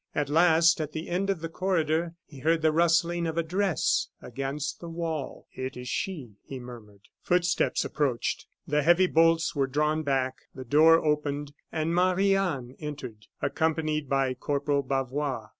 At last, at the end of the corridor, he heard the rustling of a dress against the wall. "It is she," he murmured. Footsteps approached; the heavy bolts were drawn back, the door opened, and Marie Anne entered, accompanied by Corporal Bavois.